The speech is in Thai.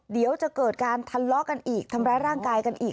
เดี๋ยวจะเกิดการทะเลาะกันอีกทำร้ายร่างกายกันอีก